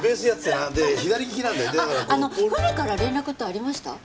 あっあの船から連絡ってありました？